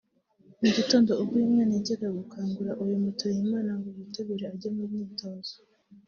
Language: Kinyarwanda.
Mu gitondo ubwo uyu mwana yajyaga gukangura uyu Mutuyimana ngo yitegure ajye mu myitozo